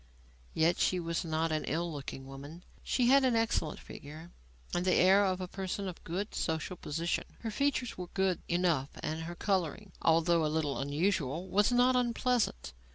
Yet she was not an ill looking woman. She had an excellent figure, and the air of a person of good social position; her features were good enough and her colouring, although a little unusual, was not unpleasant.